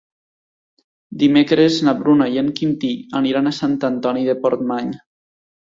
Dimecres na Bruna i en Quintí aniran a Sant Antoni de Portmany.